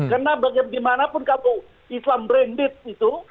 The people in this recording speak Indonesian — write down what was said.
karena bagaimanapun kalau islam berendit itu